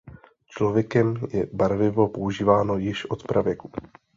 Člověkem je barvivo používáno již od pravěku.